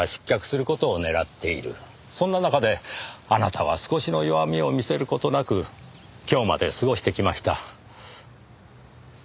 そんな中であなたは少しの弱みを見せる事なく今日まで過ごしてきました。